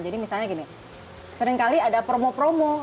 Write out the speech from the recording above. jadi misalnya gini seringkali ada promo promo